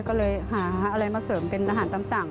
ก็เลยหาอะไรมาเสริมเป็นอาหารตามสั่ง